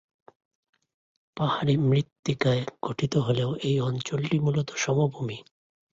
পাহাড়ী মৃত্তিকায় গঠিত হলেও এই অঞ্চলটি মূলত সমভূমি।